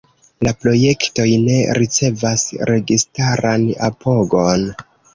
La projektoj ne ricevas registaran apogon.